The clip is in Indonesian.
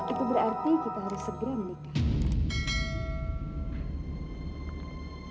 itu berarti kita harus segera menikah